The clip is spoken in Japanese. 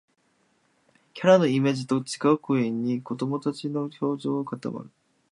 キャラのイメージと違う声に、子どもたちの表情が固まる